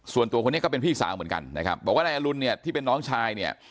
ส่วนตัวคนนี้ก็เป็นพี่สาวเหมือนกันนะครับบอกว่านายอรุณเนี่ยที่เป็นน้องชายเนี่ย